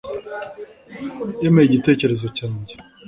yemeye igitekerezo cyanjye